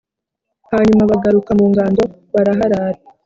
hanyuma bagaruka mu ngando baraharara.